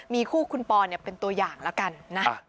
มีคู่คุณปอนเป็นตัวอย่างแล้วกันนะ